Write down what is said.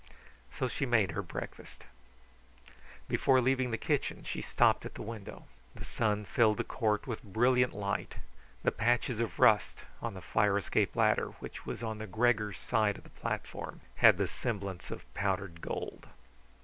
So she made her breakfast. Before leaving the kitchen she stopped at the window. The sun filled the court with brilliant light. The patches of rust on the fire escape ladder, which was on the Gregor side of the platform, had the semblance of powdered gold.